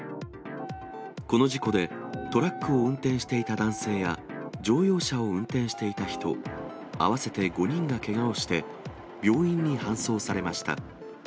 この事故で、トラックを運転していた男性や、乗用車を運転していた人、合わせて５人がけがをして、病院に搬送されました。